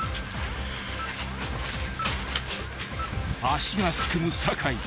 ［足がすくむ坂井］